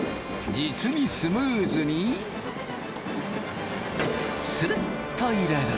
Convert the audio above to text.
実にスムーズにするっと入れる。